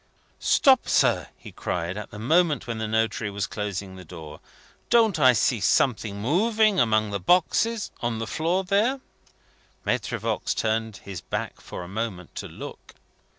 "Stop, sir!" he cried, at the moment when the notary was closing the door. "Don't I see something moving among the boxes on the floor there?" (Maitre Voigt turned his back for a moment to look.